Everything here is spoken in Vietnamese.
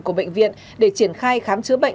của bệnh viện để triển khai khám chữa bệnh